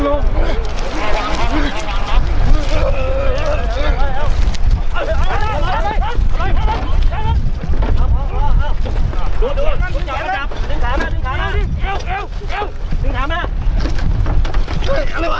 นอนไปนอนมา